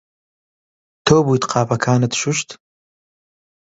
تۆ بوویت قاپەکانت شوشت؟